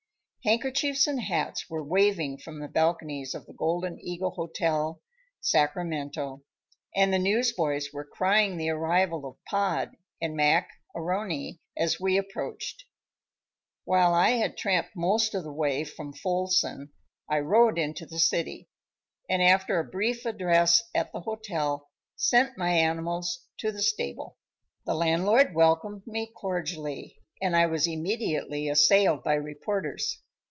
Handkerchiefs and hats were waving from the balconies of the Golden Eagle Hotel, Sacramento, and newsboys were crying the arrival of Pod and Mac A'Rony as we approached. While I had tramped most all of the way from Folsom, I rode into the city, and after a brief address at the hotel, sent my animals to the stable. The landlord welcomed me cordially, and I was immediately assailed by reporters.